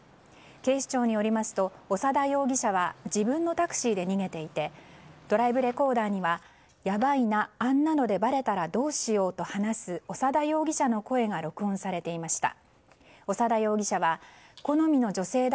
警視庁によりますと長田容疑者は自分のタクシーで逃げていてドライブレコーダーにはやばいな、あんなのでばれたらどうしようと話す長田容疑者の声が録音されていました。